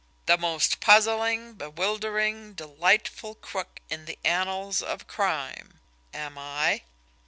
'The most puzzling, bewildering, delightful crook in the annals of crime' am I?"